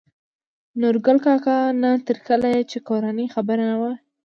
نورګل کاکا : نه تر کله يې چې کورنۍ خبره نه وي